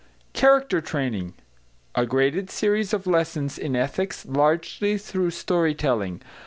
=Character Training= A Graded Series of Lessons in Ethics, largely through Story telling.